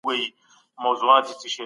ولي نړیوال بانک په نړیواله کچه ارزښت لري؟